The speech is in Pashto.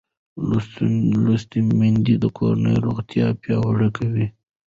لوستې میندې د کورنۍ روغتیا پیاوړې کوي